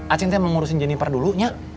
acing teh mau ngurusin jennifer dulu